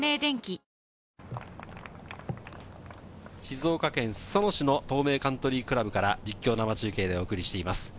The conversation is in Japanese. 静岡県裾野市の東名カントリークラブから実況生中継でお送りしています。